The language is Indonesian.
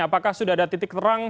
apakah sudah ada titik terang